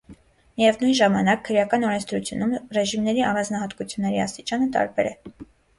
Միևնույն ժամանակ, քրեական օրենսդրությունում ռեժիմների առանձնահատկությունների աստիճանը տարբեր է։